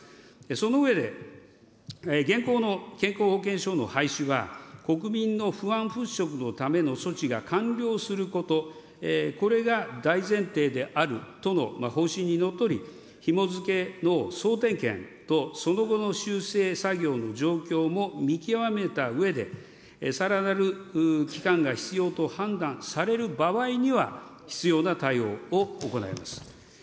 その上で、現行の健康保険証の廃止は、国民の不安払拭のための措置が完了すること、これが大前提であるとの方針にのっとり、ひもづけの総点検とその後の修正作業の状況も見極めたうえで、さらなる期間が必要と判断される場合には、必要な対応を行います。